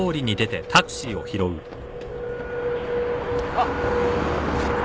あっ。